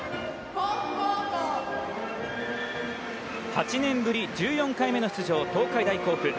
８年ぶり１４回目の出場、東海大甲府。